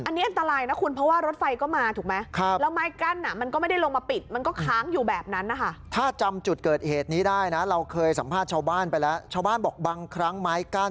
อันนี้อันตรายนะคุณเพราะว่ารถไฟก็มาถูกไหม